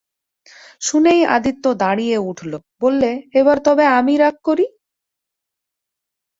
শুনেই আদিত্য দাঁড়িয়ে উঠল, বললে, এবার তবে আমি রাগ করি?